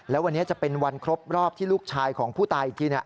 แล้ววันนี้จะเป็นวันครบรอบที่ลูกชายของผู้ตายอีกที